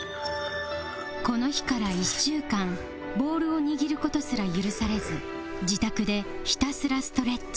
この日から１週間ボールを握る事すら許されず自宅でひたすらストレッチ